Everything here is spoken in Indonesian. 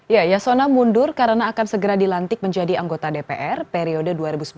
ya yasona mundur karena akan segera dilantik menjadi anggota dpr periode dua ribu sembilan belas dua ribu dua puluh